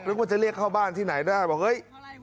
นึกว่าจะเรียกเข้าบ้านที่ไหนได้บอกเฮ้ย